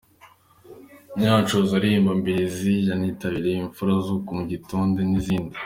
Munyanshoza aririmba ‘Mibirizi’ yanamwitiriwe, ‘Imfura zo ku Mugote’ n’izindi.